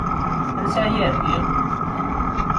Ansa ara ɛeddiɣ?